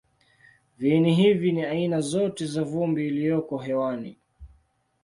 Viini hivi ni aina zote za vumbi iliyoko hewani.